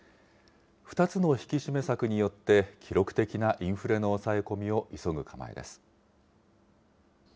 ２つの引き締め策によって、記録的なインフレの抑え込みを急ぐ構えです。